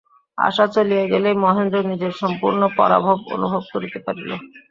আশা চলিয়া গেলেই মহেন্দ্র নিজের সম্পূর্ণ পরাভব অনুভব করিতে পারিল।